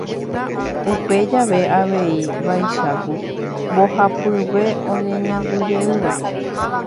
Upe jave avei vaicháku mbohapyve oñeñandujeýva.